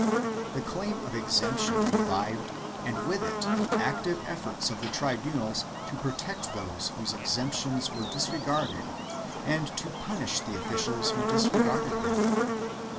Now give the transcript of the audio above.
The claim of exemption revived and with it the active efforts of the tribunals to protect those whose exemptions were dis regarded and to punish the officials who disregarded them.